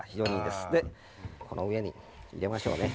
でこの上に入れましょうね。